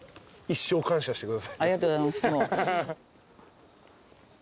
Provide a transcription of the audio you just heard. ありがとうございます。